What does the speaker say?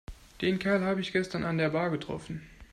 Den Kerl habe ich gestern an der Bar getroffen.